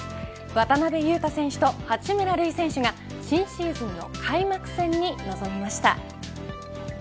渡邊雄太選手と八村塁選手が新シーズンの開幕戦に臨みました。